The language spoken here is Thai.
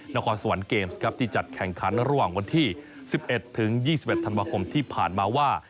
นครสวรรค์เกมส์ครับที่จัดแข่งขันระหว่างวันที่๑๑๒๑ธันวาคมที่ผ่านมาว่า